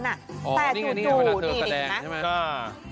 แต่จู่ดีน่ะใช่ไหมอ๋อนี่ไงนี่คือเวลาเธอแสดงใช่ไหม